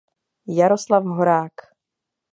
Jaroslav Horák.